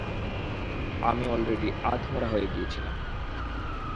আমি অলরেডি আধমরা হয়ে গিয়েছিলাম।